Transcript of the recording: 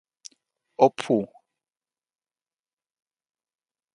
o pu.